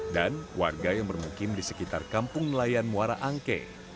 dan warga yang bermukim di sekitar kampung nelayan muara angke